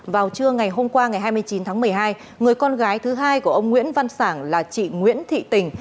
vào trưa ngày hôm qua ngày hai mươi chín tháng một mươi hai người con gái thứ hai của ông nguyễn văn sản là chị nguyễn thị tình